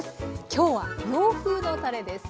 今日は洋風のたれです。